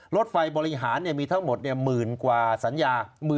รถไฟบริหารมีทั้งหมดหมื่นกว่าสัญญา